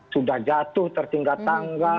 sudah jatuh tertinggal tangga